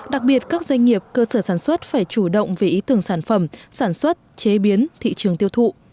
đặc biệt các doanh nghiệp cơ sở sản xuất phải chủ động về ý tưởng sản phẩm sản xuất chế biến thị trường tiêu thụ